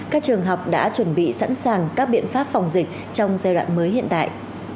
các trường học đã chuẩn bị sẵn sàng các biện pháp phòng dịch trong giai đoạn mới hiện tại